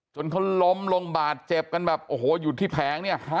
จนเขาล้มลงบาดเจ็บกันแบบโอ้โหอยู่ที่แผงเนี่ย